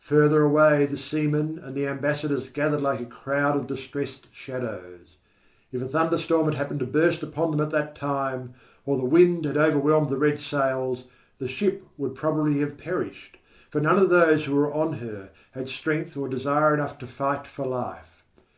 Further away the seamen and the ambassadors gathered like a crowd of distressed shadows. If a thunderstorm had happened to burst upon them at that time or the wind had overwhelmed the red sails, the ship would probably have perished, for none of those who were on her had strength or desire enough to fight for life.